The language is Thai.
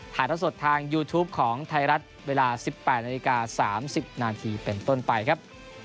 ละสดทางยูทูปของไทยรัฐเวลา๑๘นาฬิกา๓๐นาทีเป็นต้นไปครับ